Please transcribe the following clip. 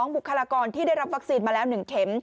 บุคลากรที่ได้รับวัคซีนมาแล้ว๑เข็ม